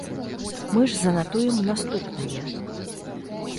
Мы ж занатуем наступнае.